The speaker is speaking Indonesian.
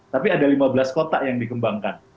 tapi ada lima belas kota yang dikembangkan